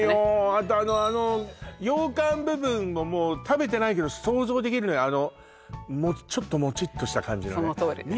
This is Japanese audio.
あとあの羊羹部分ももう食べてないけど想像できるのよちょっともちっとした感じそのとおりです